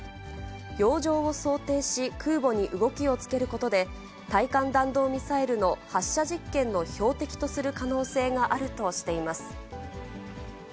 洋上を想定し、空母に動きをつけることで、対艦弾道ミサイルの発射実験の標的とする可能性があるとしています。